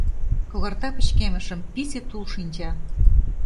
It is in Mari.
Когарта пычкемышым Писе тул шинча.